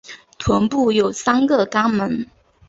臀部有三个肛门。